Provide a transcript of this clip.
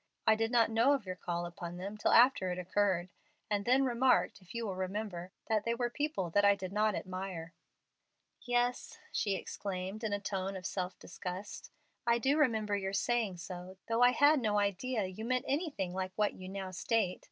I did not know of your call upon them till after it occurred, and then remarked, if you will remember, that they were people that I did not admire." "Yes," she exclaimed, in a tone of strong self disgust, "I do remember your saying so, though I had no idea you meant anything like what you now state.